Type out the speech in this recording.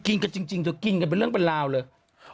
กันจริงเธอกินกันเป็นเรื่องเป็นราวเลย